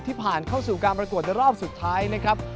ผ่านเข้าสู่การประกวดในรอบสุดท้ายนะครับ